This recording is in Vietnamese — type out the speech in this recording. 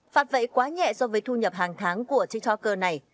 phạt vậy quá nhẹ so với thu nhập hàng tháng của tiktoker này